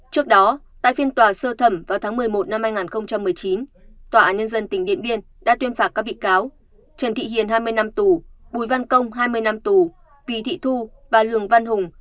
trước đó tại phiên tòa sơ thẩm vào tháng một mươi một năm hai nghìn một mươi chín tòa án nhân dân tỉnh điện biên đã tuyên phạt các bị cáo trần thị hiền hai mươi năm tù bùi văn công hai mươi năm tù vì thị thu và lường văn hùng